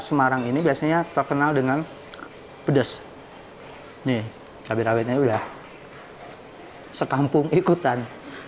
orang ini biasanya terkenal dengan pedas nih kabin rawitnya udah hai sekampung ikutan